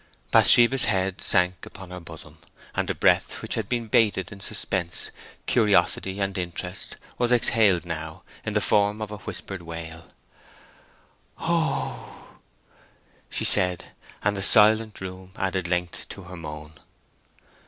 Bathsheba's head sank upon her bosom, and the breath which had been bated in suspense, curiosity, and interest, was exhaled now in the form of a whispered wail: "Oh h h!" she said, and the silent room added length to her moan.